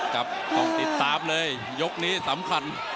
ครับต้องติดตามเลยยกนี้สำคัญ